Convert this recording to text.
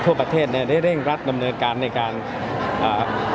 ทั่วประเทศเนี้ยได้เร่งรัดดำเนินการในการอ่า